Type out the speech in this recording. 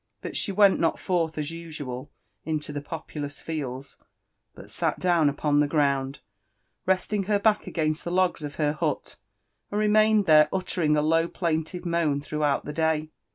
But she went nut forth; ^ uiufi^f into the populous fields, but sat down upon (h6 ground, resting ftef bacit agahrst the log^ of her hut, and renfamed there uttering ar to^ plainlive moan throughout the day.